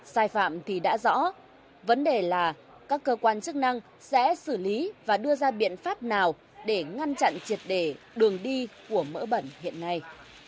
sai phạm thì đã rõ vấn đề là các cơ quan chức năng sẽ xử lý và đưa ra biện pháp nào để ngăn chặn triệt đề đường đi của mỡ bẩn hiện nay